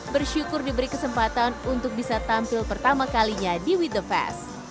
bersyukur diberi kesempatan untuk bisa tampil pertama kalinya di with the fest